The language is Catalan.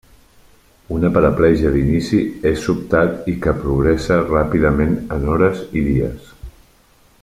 Una paraplegia d'inici és sobtat i que progressa ràpidament en hores i dies.